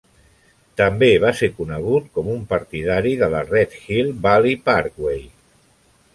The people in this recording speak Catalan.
També va ser conegut com un partidari de la Red Hill Valley Parkway.